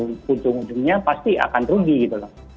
binary ini ini ujung ujungnya pasti akan rugi gitu loh